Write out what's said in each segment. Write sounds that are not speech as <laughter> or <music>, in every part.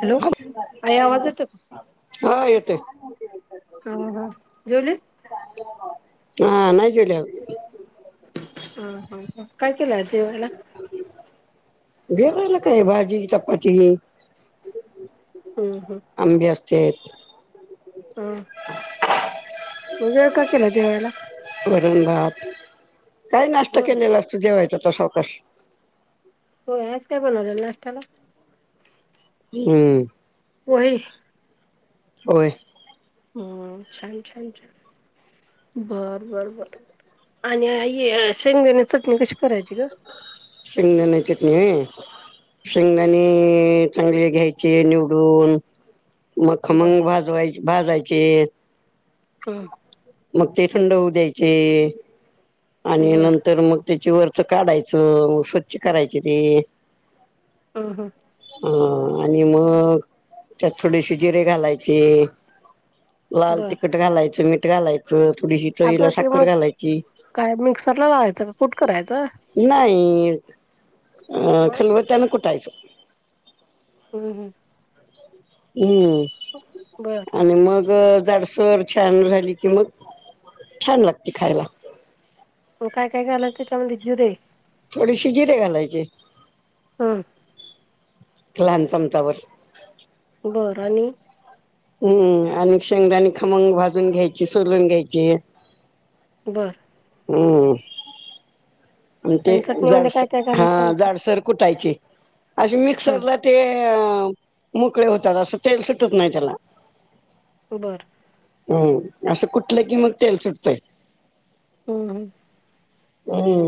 Hello आई आवाज येतो का? हा येतय हा हा जेवलीस? हा नाही केल्या अजून ह, ह, ह काय केलंय आज जेवायला? जेवायला काय? भाजी चपाती हम्म, हम्म ठे हा मग वेळ का केला जेवायला? वरून भात काही नाश्ता बर केलेला असतो जेवायचा आता सावकाश हो आज काय बनवला नाष्ट्याला हम्म पोहे होय हम्म छान, छान, छान बर, बर, बर आणि आई शेंगदाने चटणी कशी करायची ग? शिंगदाण्या चटणी वय शेंगदाणी चांगली घ्यायचे निवडून म बर खमंग भाजवाय भाजायचेत हम्म ते थंड होऊ द्यायचे, आणि बर नंतर मग त्याची वरच काढायचं, स्वच्छ करायची ते ह, हा हं, आणि मग त्यात थोडेसे जिरे घालायचे लाल बर तिखट घालायचं, मीठ घालायचं, थोडीशी चवीला अगं ते साखर मग घालायची काय मिक्सरला लावायचं का कुट करायचं नाही अ मग खलबत्यानं कुठायचं ह, ह हम्म बर आणि मग मग जाडसर छान झाली की मग छान लागते खायला मग काय काय घालायच त्याच्यामध्ये जीरे थोडीशी जीरे घालायचे हम लहान चमचाबर बरं, आणि हम्म आणि शेंगदाणी बरं हम्म ते आणि चटणीमध्ये काय काय हा घालायचं सांग की? जाडसर कुटायचे अे हं मिक्सरला ते मोकळे होतात असं तेल सुटत नाही त्याला बर हम् असं कुठलं की मग तेल सुटतय ह, ह हं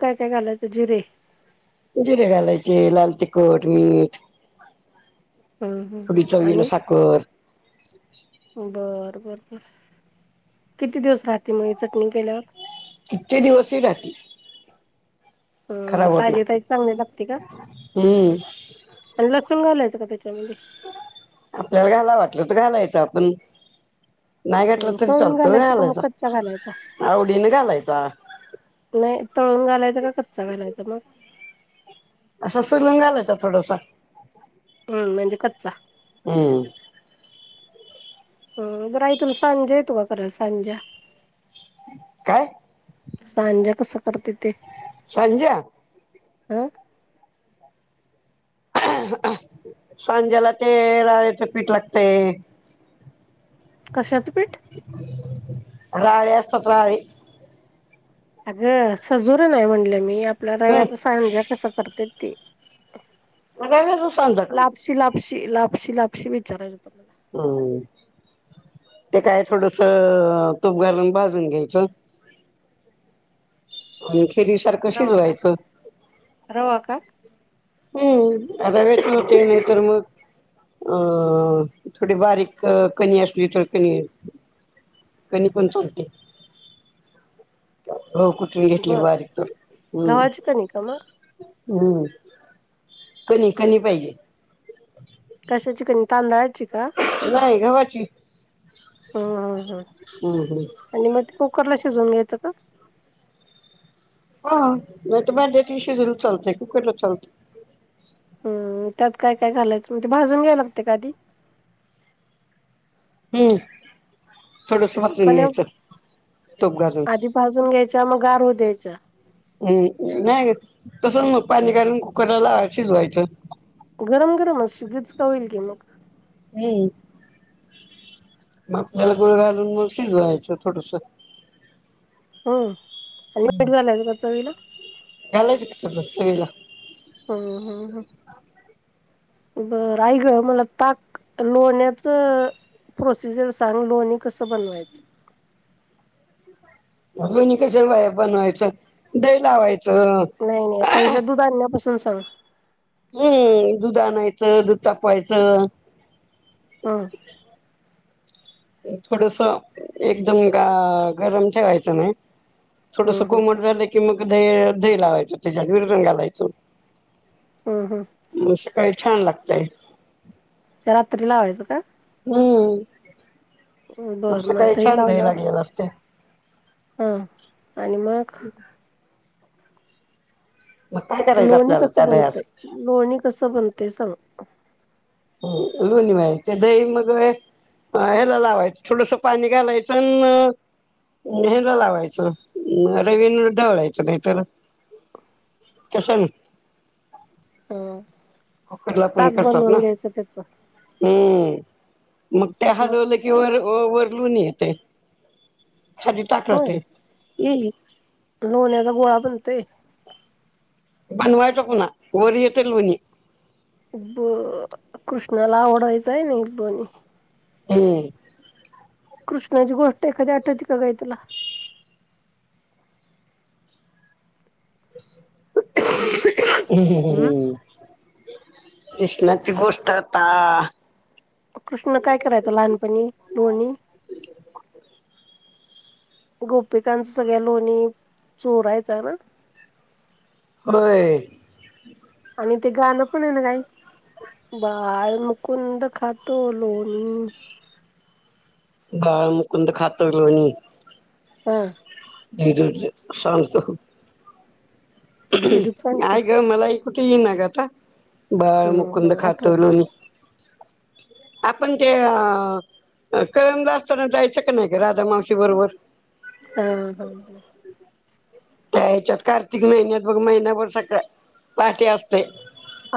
काय काय घालायच जीरे जिरे घालायचे लाल तिखट, मीठ हं हं हं थोडी चवीला आणि साखर बर, बर, बर, किती दिवस राहते मग चटणी केल्यावर कित्यी दिवसही राहती हम्म खराब होत ताजी ताजी नाही चांगली लागते का? हम्म अन लसूण घालायची का त्याच्यामध्ये. आपल्याला घालाव वाटलं त घालायचं आपण. नाही घातल हं तरी तळून चालतं घालायचं का मग घालायच. कच्चा घालायचा आवडीने घालायचा. नाही तळून घालायचं का कच्चा घालायचा मग. असं सुलून घालायचा थोडसा. हम्म म्हणजे कच्चा. हम्म हम्म बरं आई तुला सांज्या येतो का कराला सांज्या. काय? सांजा कसा करते तेे. सांजा. ह. सांज्याला ते राळेचं पीठ लागते. कशाचं पीठ राळे असतात राळे. अगं सजूर नाही म्हणलं मी आपल्या हम्म रव्याच सांज्या कसं करते ते. रव्याचा सांजा काय? पशी, लापशी, लापशी विचारालो. हम्म. ते काय थोडस तूप घालून बाजून घ्यायचं. खिरीसारखं शिज रवा का व्हायचं. रवा का हम्म रव्याचे होतंय नाहीतर मग अ थोडी बारीक कणी असली तर कणी कणी पण चलते. <inaudible> गहू कुटून घेतली बर बारीक त. हम्म. गव्हाची कणी का मग हम्म कणी कणी पाहिजे. कशाची कणी तांदळा ची का? नाही गव्हाची हम्म हम्म हम्म हम्म हम्म आणि म कुकरला शिजून घ्यायचं का? ह नाहीत भांड्यातही शिजवलं चालतय कुकरला ही चालतय. हम्म त्यात काय काय घालायचं म्हणजे भाजून घ्याय लागते का आधी. हम्म. थोडस का भाजून नाही घ्यायचं तुप घालून. आधी भाजून घ्यायच्या मग गार होऊ द्यायच्या हम्म नाही तसं मग पाणी घालून कुकरला लावाय शिजवायच. गरम -गरमच गचका होईल की मग. हम्म. म आपल्याला गुळ घालून मग शिजवायच थोडस. हम्म आणि वाईट झालंयवर ग चवीला. घालायचा कि चवीला. हम्म हम्म बर आई गं मला ताक, लोण्याचं प्रोसिजर सांग लोणी कसं बनवायचं. लोणी कस बनवायचं दही लावायचं. नाही नाही पहिलं दुध आन्यापासून सांग. हम्म दुध आणायचं दुध तापवायचं. ह. थोडस एकदम ग गरम ठेवायचं नाही. हम्म थोडसं हम्म कोमट झालं की मग दह दही लावायच त्याच्यात विरजण घालायच. हम्म हम्म. काय छान लागतय. रात्री लावायचं का? हम्म. असं बरं मग काही दही छान नाई लावल्यावर लागलेल आसतय. हा आणि मग? मग काय करायचं लोणी आपल्याला कसं त्या बनत? य दह्याच लोणी कसं बनतय सांग? हो लोणी म्हाहीत्यय दही मग अ हेला लावायचं थोडस पाणी घालायचं नं <unintelligible> लावायचं रवीन ढवळायचं नाहीतर कशानं? हां ताक करतात ना बनवून घ्यायचं त्याचं. हम्म मग ते हालवलं की वर अ वर लोणी येतय. खाली ताक होय ऱ्हातंय हम्. लोण्याचा गोळा बनतोय बनवायचा <unintelligible> ना वर येतय लोणी. ब कृष्णाला आवडायचा होय ने लोणी. हम्म. कृष्णाची गोष्ट एखादी आठवते का गं आई तूला? <inaudible> <unintelligible> हम् हम् हम् हम्म हम् कृष्णाची गोष्ट आता- कृष्ण काय करायचा लहानपणी लोणी. गोपिकांच सगळ्या लोणी चोरायचा ना? होय. आणि ते गाणं पण हाय न गं आई. बाळ मुकुंद खातो लोणी. बाळ मुकुंद खातो लोणी. हा. <unintelligible> सांगतो. भेजूच सांगतो नाई ग मला <unintelligible> येईना ग आता बाळ मुकुंद हम्म खातो आठवत लोणी. आपण ते अं अ करम असताना जायचं का नाई ग राधा मावशी बरोबर. हां हां हां. त्या ह्यच्यात कार्तिक महिन्यात पण महिनाभर सकाळ पाठे असतय.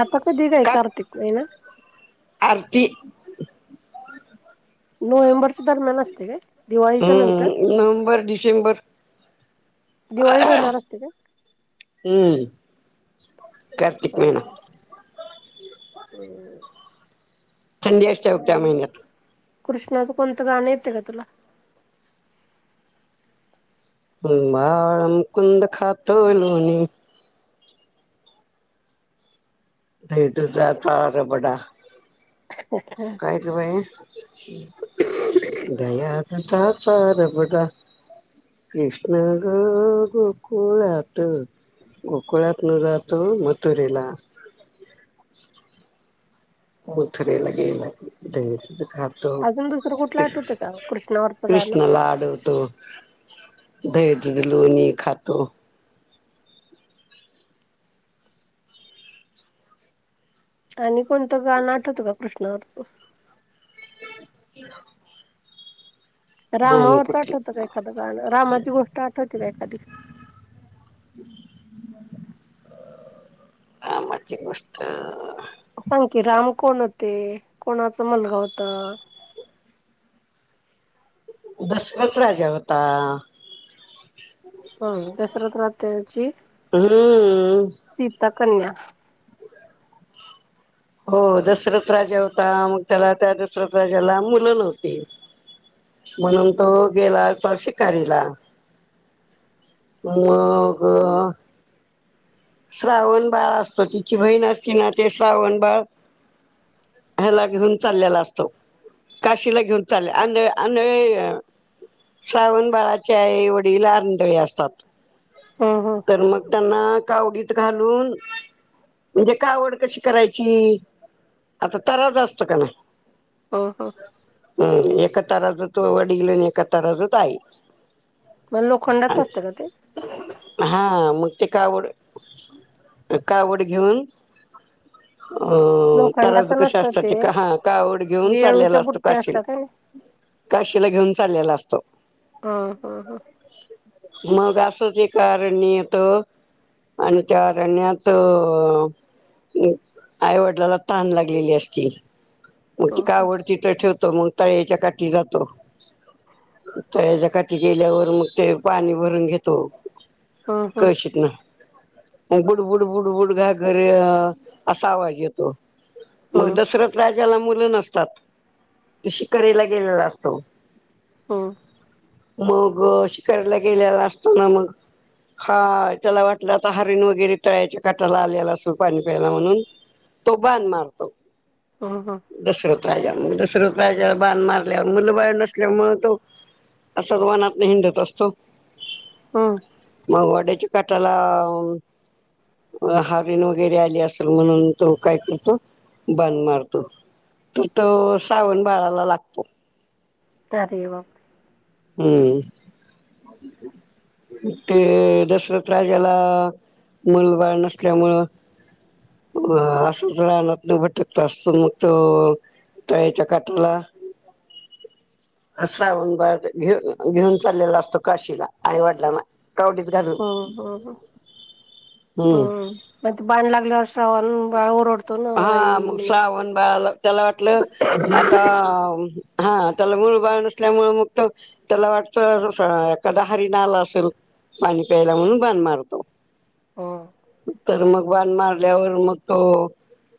आता कधी ग हाय कार्तीक महिना? आर्ती. नोव्हेंबरच्या दरम्यानं आसतय काय दिवाळीच्या नंतर. हम्म नोव्हेंबर डिसेंबर दिवाळी झाल्यावर असतय काय? हम्म. कार्तिक हा महिना. <inaudible> थंडी असत्या बघ त्या आणि महिन्यात. कृष्णाचं कोणतं गाणं येतं का तुला? <unintelligible> कुंद खातोय लोणी. दही दुधाचा आता रबडा. काय ग बाई दह्यात. दुधाचा रबडा. कृष्णा ग गोकुळतं. गोकुळात न जातो मधुरेला. मधुरेला गेला कि. इथं खातो अजून दुसरं कुठलं कृष आठवतं का कृष्णावरचं गाणं कृष्णला आडवतो. दही, दूध, लोणी खातो. आणि कोणतं गाण आठवतं का कृष्णावरचं? <inaudible> रामा आणि वरचं कुठली आठवत का एखादं गाण रामाची गोष्ट आठवती का एखादी? <unintelligible> रामाची गोष्टं. सांग की राम कोण होते? कोणाचा मुलगा होता? दशरथ राजा होता. हो दसरथ राह त्याची. हम्म. कन्या. हो दशरथ राजा होता, मग त्याला त्या दशरथ राजाला मुलं नव्हती. म्हणून तो गेला होता शिकारीला. मगं. श्रावण बाळं असतो तिची बहीण असती ना ते श्रावण बाळं. ह्याला घेऊन चाललेला असतो. काशीला घेऊन चालले आंध आंधळे श्रावण बाळाचे आईवडील आंधळे असतात. हम्म हम्म तर मग त्यांना. कावडीत घालून, म्हणजे कावड कशी करायची? आता तराजू असतो की नाही. हम्म हम्म हम्म एका तराजूत वडील आणि एका तराजूत आई. मग लोखंडाच असतं का ते? हा मगं. ते कावड, कावड घेऊनं अ लोखंडाच तराजू कशी नसतं असतात ते का हा का कावड घेऊन चाललेला वेळूच्या असतो बुट्ट्या काशीला. असतात हाय ना. काशीला घेऊन चाललेला असतो. हं हं हं मग असंच एक आरण्य येतं. आणि त्या आरण्यातं. आईवडीलाला तहान लागलेली असती. मग ती हं कावड तिथं ठेवतो. तो मगं तळ्याच्या काठी जातो. तळ्याच्या काठी गेल्यावर मगं ते पाणी भरून घेतो. हं कळशीतून आणि बुडबुडबुडबुड घागर असा आवाज येतो. मगं हं दशरथ राजाला मूल नसतात तो शिकारीला गेलेला असतो. हम. मगं शिकारीला गेलेला असताना मग हा त्याला वाटलं. हरीण वगैरे तळ्याच्या काटाला आलेला अस- पाणी प्यायला म्हणून तो बाण मारतो हं हं दशरथ. राजा दशरथ राजा बाण मारल्यावर मुलं बाळ नसल्यामुळं तो. असं वनात नाही हिंडत असतो हं मगं वड्याच्या काटाला हो. हरीन वगैरे आली असेल म्हणून तो कायं करतो बाण मारतो. तू तरं सावण बाळालां लागतो. <inaudible> हम्म. <unintelligible> ते दशरथ राजाला मूलबाळ नसल्यामुळं. अ असं रानातून भटकत असत मग तो. तळ्याच्या काटाला श्रावण बाळ बी घेऊ घेऊन चाललेला असतो काशीला. आई वडलांना कवटीत घालून- हम्म मग ते बाण लागल्यावर श्रावण बाळ ओरड- हा मग श्रावण बाळाला त्याला वाटलं आता- हा त्याला मूल बाळ नसल्यामुळे मग त्याला वाटतं एखादा हरीन आलं असेल- पाणी प्यायला म्हणून बाण मारतो हं तर मग बाण मार- ल्यावर मग तो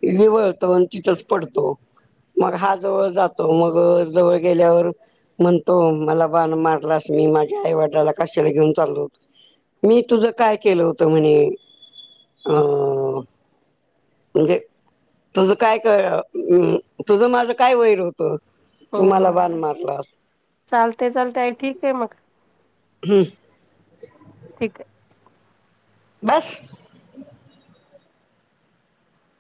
व्हिवळतो आणि तिथंच पडतो. मग हा जवळ जातो मग जवळ गेल्यावर म्हणतो मला बाण मारला अस- मी माझ्या आई वडलाला कशाला घेऊन चाललो होतो मी तुझ, काय केलं होत म्हणे? हं, म्हणजे तुझं काय क- तुझं माझं काय वैर होतं? तू मला बाण मारलास- चालतय चालतय आई ठीक आहे मग, हम्म, ठीक आहे. बस,